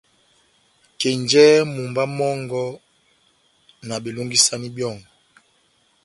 Kenjɛhɛ mumba mɔngɔ, na belongisani byɔ́ngɔ,